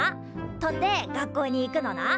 飛んで学校に行くのな。